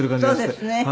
そうですね。